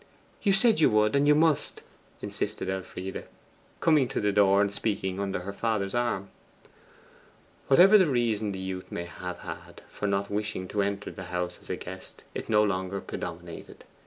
'You said you would, and you must,' insisted Elfride, coming to the door and speaking under her father's arm. Whatever reason the youth may have had for not wishing to enter the house as a guest, it no longer predominated.